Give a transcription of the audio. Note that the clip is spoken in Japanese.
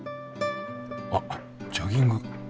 あっジョギング。